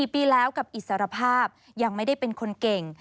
๔ปีแล้วกับอิสรภาพยังไม่ได้เป็นคนเก่ง